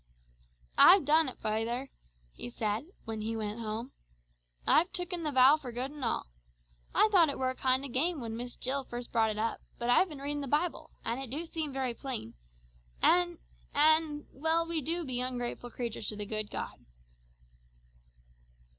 "I've done it fayther," he said when he went home, "I've tooken the vow for good and all. I thought it were a kind o' game when Miss Jill first brought it up, but I've been readin' the Bible, an' it do seem very plain, an' an' well we do be ungrateful creatures to the good God!"